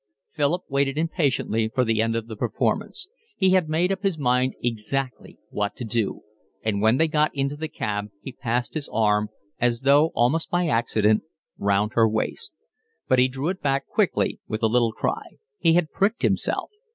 Philip waited impatiently for the end of the performance. He had made up his mind exactly what to do, and when they got into the cab he passed his arm, as though almost by accident, round her waist. But he drew it back quickly with a little cry. He had pricked himself.